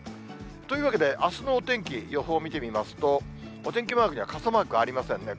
というわけで、あすのお天気、予報見てみますと、お天気マークには傘マークありませんね。